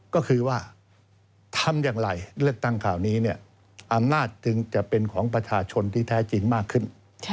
ก็คือว่าทำอย่างไรเลือกตั้งคราวนี้อำนาจจึงจะเป็นของประชาชนที่แท้จริงมากขึ้น